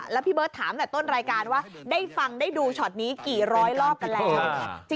แล้วพี่เบิร์ตถามแต่ต้นรายการว่าได้ฟังได้ดูช็อตนี้กี่ร้อยรอบกันแล้ว